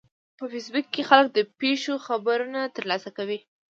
په فېسبوک کې خلک د پیښو خبرونه ترلاسه کوي